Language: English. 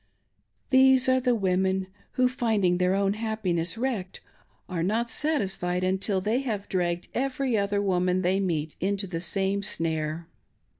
These are the women who, finding their own happiness wrecked, are not satisfied until they have dragged every other woman they meet with into the same snare.